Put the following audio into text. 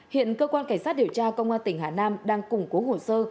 hiện cơ quan cảnh sát điều tra công an tỉnh hà nam đang củng cố hồ sơ